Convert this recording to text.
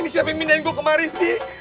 siapa yang pindahin gue kemari sih